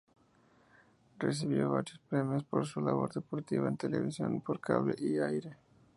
Recibió varios premios por su labor deportiva en televisión por cable y aire.